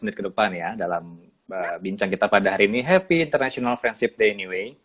lima belas menit ke depan ya dalam bincang kita pada hari ini happy international friendship day anyway